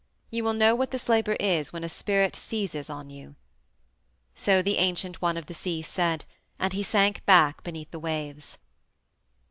You will know what this labor is when a spirit seizes on you." So the ancient one of the sea said, and he sank back beneath the waves.